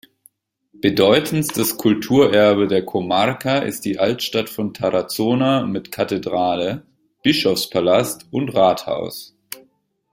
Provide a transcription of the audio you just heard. Bedeutendstes Kulturerbe der Comarca ist die Altstadt von Tarazona mit Kathedrale, Bischofspalast und Rathaus.